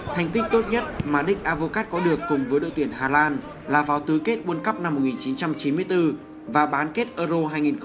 thành tích tốt nhất mà dick advocat có được cùng với đội tuyển hà lan là vào tứ kết quân cấp năm một nghìn chín trăm chín mươi bốn và bán kết euro hai nghìn bốn